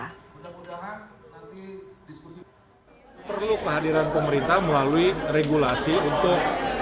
kominfo meminta kehadiran pemerintah melalui regulasi untuk mengatasi